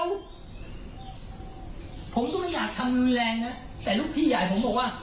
ผมก็ไม่อยากทำรุนแรงนะแต่ลูกพี่ใหญ่ผมบอกว่า